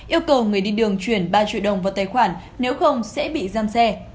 yêu cầu người đi đường chuyển ba triệu đồng vào tài khoản nếu không sẽ bị giam xe